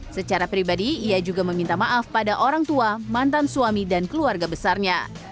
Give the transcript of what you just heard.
secara pribadi ia juga meminta maaf pada orang tua mantan suami dan keluarga besarnya